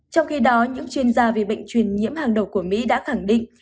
trong khi đó những chuyên gia về bệnh truyền nhiễm hàng đầu của mỹ đã khẳng định